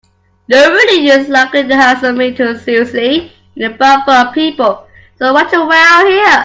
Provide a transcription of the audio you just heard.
Noone is likely to hassle me too seriously in a bar full of people, so why don't you wait out here?